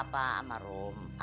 aku akan berhubung sama dia